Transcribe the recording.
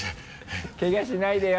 けがしないでよ。